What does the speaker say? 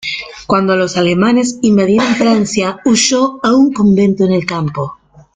Cuándo los alemanes invadieron Francia huyó a un convento en el campo.